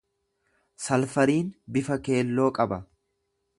Salfariin bifa keelloo qaba.